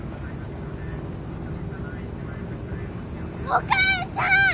お母ちゃん！